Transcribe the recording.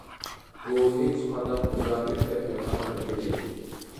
بۇ ھېچ قانداق مۇزاكىرە كەتمەيدىغان تەدبىر ئىدى.